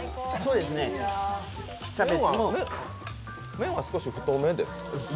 麺は少し太めですか？